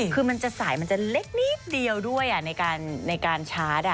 คือสายมันจะเล็กนิดเดียวด้วยอ่ะในการชาร์จอ่ะ